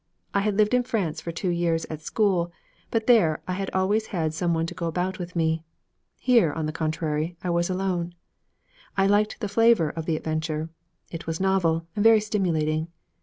I had lived in France for two years, at school; but there I had always had some one to go about with me. Here, on the contrary, I was alone. I liked the flavor of the adventure; it was novel, and very stimulating.